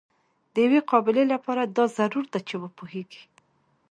د یوې قابلې لپاره دا ضرور ده چې وپوهیږي.